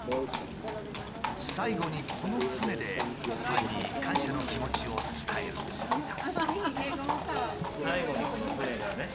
最後にこの船でファンに感謝の気持ちを伝えるつもりだ。